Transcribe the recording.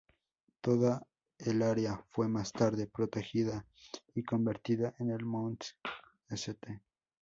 Toda el área fue más tarde protegida y convertida en el Mount St.